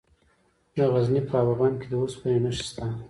د غزني په اب بند کې د اوسپنې نښې شته.